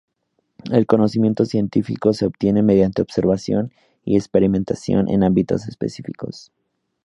El conocimiento científico se obtiene mediante observación y experimentación en ámbitos específicos.